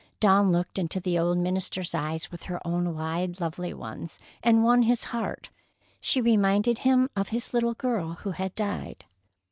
Dawn looked into the old minister's eyes with her own wide, lovely ones, and won his heart. She reminded him of his little girl who had died.